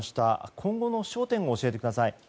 今後の焦点を教えてください。